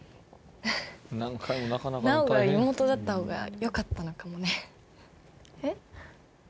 奈央が妹だった方がよかったのかもねえっ？